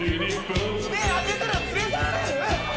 目開けたら連れ去られる？